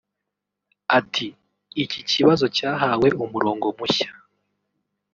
Ati “Iki kibazo cyahawe umurongo mushya